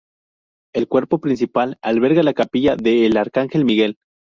El cuerpo principal alberga la Capilla de el Arcángel Miguel.